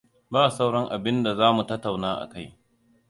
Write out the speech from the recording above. Ba sauran abinda za mu tattauna akai.